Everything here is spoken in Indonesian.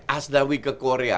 asdawi ke korea